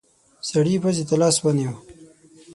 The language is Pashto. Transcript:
سړی پزې ته لاس ونيو.